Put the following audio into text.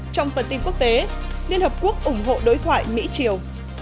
trong phần tin quốc tế liên hợp quốc ủng hộ đối thoại mỹ triều